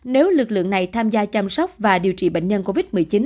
nếu lực lượng này tham gia chăm sóc và điều trị bệnh nhân covid một mươi chín